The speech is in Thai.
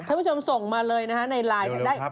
ท่านผู้ชมส่งมาเลยนะในไลน์